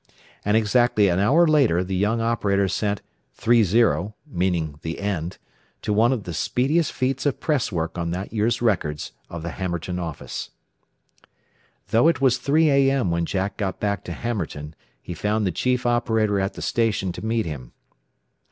And exactly an hour later the young operator sent "30" (the end) to one of the speediest feats of press work on that year's records of the Hammerton office. Though it was 3 A. M. when Jack got back to Hammerton, he found the chief operator at the station to meet him.